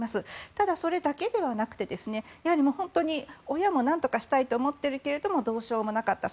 ただ、それだけではなくて親も、なんとかしたいと思っているけどもどうしようもなかった。